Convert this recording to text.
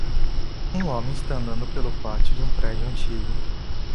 Um homem está andando pelo pátio de um prédio antigo.